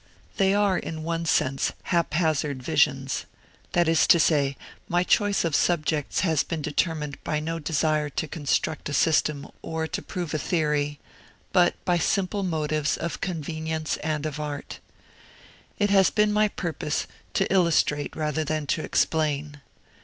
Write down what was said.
They are, in one sense, haphazard visions that is to say, my choice of subjects has been determined by no desire to construct a system or to prove a theory, but by simple motives of convenience and of art. It has been my purpose to illustrate rather than to explain.